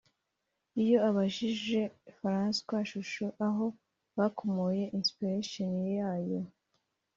Iyo ubajije François Chouchou aho bakomoye ’Inspiration’ yayo